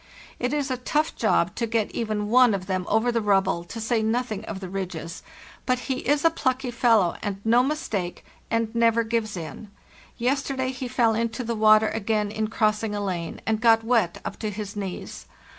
It is a tough job to get even one of them over the rubble, to say nothing of the ridges; but he is a plucky fellow, and no mistake, and never gives in. Yesterday he fell into the water again in crossing a lane, and got wet up to his knees.